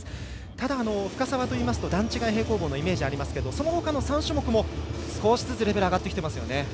ただ、深沢といいますと段違い平行棒のイメージがありますけどその他の３種目も少しずつレベルが上がってきていますね。